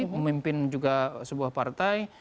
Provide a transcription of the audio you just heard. memimpin juga sebuah partai